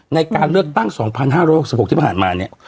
ในการเลือกตั้งสองพันห้าร้อยหกสิบหกที่ผ่านมาเนี่ยค่ะ